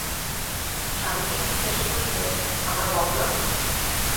স্বামীকে জিজ্ঞাসা করিল, আমার গহনা?